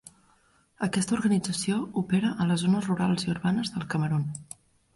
Aquesta organització opera a les zones rurals i urbanes del Camerun.